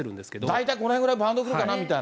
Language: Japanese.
大体この辺ぐらいバウンド来るかなみたいな。